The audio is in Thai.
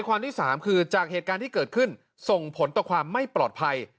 ข้อ๓จากเหตุการณ์ที่เกิดขึ้นส่งผลต่อความไม่ปลอดภัย